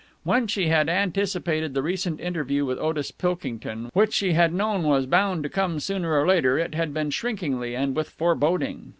When she had anticipated the recent interview with Otis Pilkington, which she had known was bound to come sooner or later, it had been shrinkingly and with foreboding.